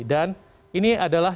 dan ini adalah